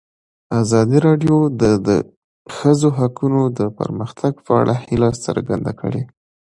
ازادي راډیو د د ښځو حقونه د پرمختګ په اړه هیله څرګنده کړې.